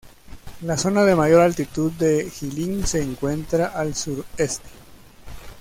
La zona de mayor altitud de Jilin se encuentra al sureste.